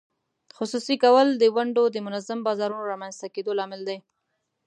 خصوصي کول د ونډو د منظم بازارونو رامینځته کېدو لامل دی.